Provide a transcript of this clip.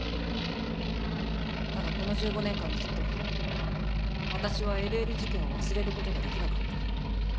だがこの１５年間ずっと私はＬＬ事件を忘れることができなかった。